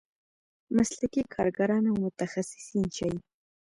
مسلکي کارګران او متخصصین شي.